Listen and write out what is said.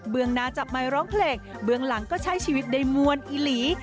เมืองนาจับไมค์ร้องเพลงเบื้องหลังก็ใช้ชีวิตในมวลอีหลี